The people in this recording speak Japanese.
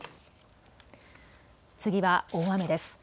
次は大雨です。